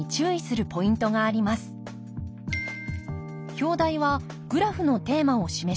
表題はグラフのテーマを示します。